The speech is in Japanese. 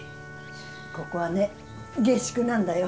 ここはね下宿なんだよ。